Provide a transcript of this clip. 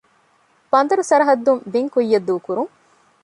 ބަނދަރު ސަރަޙައްދުން ބިން ކުއްޔަށް ދޫކުރުން